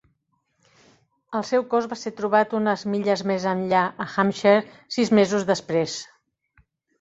El seu cos va ser trobat unes milles més enllà, a Hampshire, sis mesos després.